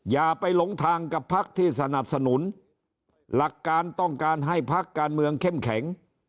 อย่าไปหลงทางกับพักที่สนับสนุนหลักการต้องการให้พักการเมืองเข้มแข็ง